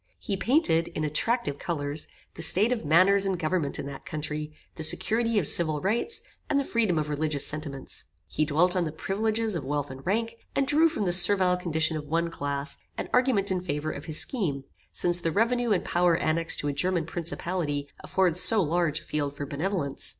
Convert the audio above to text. He painted, in attractive colours, the state of manners and government in that country, the security of civil rights, and the freedom of religious sentiments. He dwelt on the privileges of wealth and rank, and drew from the servile condition of one class, an argument in favor of his scheme, since the revenue and power annexed to a German principality afford so large a field for benevolence.